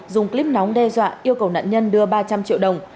dùng clip nóng đe dọa yêu cầu nạn nhân đưa ba trăm linh triệu đồng